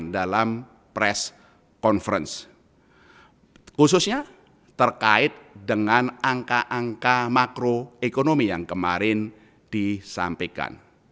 dalam press conference khususnya terkait dengan angka angka makroekonomi yang kemarin disampaikan